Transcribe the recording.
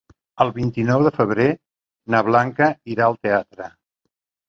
El vint-i-nou de febrer na Blanca irà al teatre.